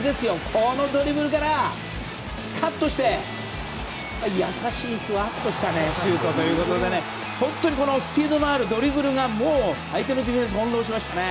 このドリブルからカットして優しい、ふわっとしたシュートということで本当にスピードのあるドリブルがもう相手のディフェンスを翻弄しましたね。